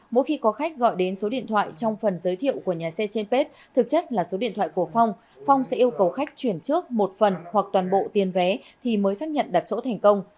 mỗi khi có khách gọi đến số điện thoại trong phần giới thiệu của nhà xe trên page thực chất là số điện thoại của phong phong sẽ yêu cầu khách chuyển trước một phần hoặc toàn bộ tiền vé thì mới xác nhận đặt chỗ thành công